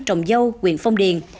trồng dâu quận phong điền